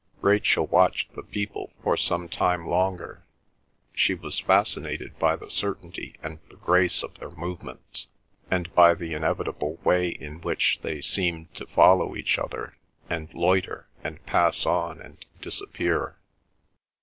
Rachel watched the people for some time longer; she was fascinated by the certainty and the grace of their movements, and by the inevitable way in which they seemed to follow each other, and loiter and pass on and disappear.